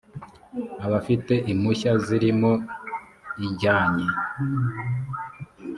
abafite impushya z imirimo ijyanye